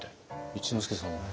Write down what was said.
一之輔さんは？